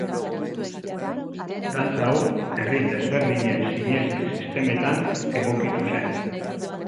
Dantza hau herri desberdinen sinesmen sistemetan egokitu zen.